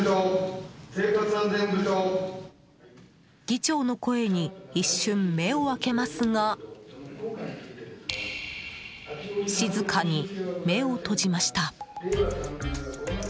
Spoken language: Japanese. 議長の声に一瞬、目を開けますが静かに目を閉じました。